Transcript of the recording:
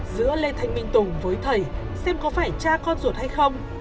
giữa lê thanh minh tùng với thầy xem có phải cha con ruột hay không